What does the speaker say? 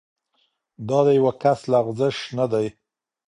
دا د یوه کس لغزش نه دی.